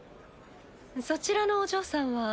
そちらのお嬢さんは。